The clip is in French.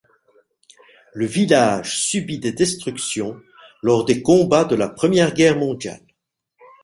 Le village subit des destructions lors des combats de la Première Guerre mondiale.